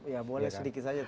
ya boleh sedikit saja